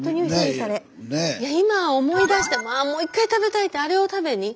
今思い出してもあもう一回食べたいってあれを食べに。